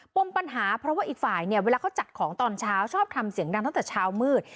ปมปัญหาเพราะว่าอีกฝ่ายเนี่ยเวลาเขาจัดของตอนเช้าชอบทำเสียงดังตั้งแต่เช้ามืด